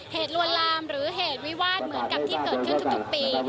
ลวนลามหรือเหตุวิวาสเหมือนกับที่เกิดขึ้นทุกปี